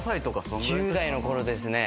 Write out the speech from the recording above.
１０代のころですね。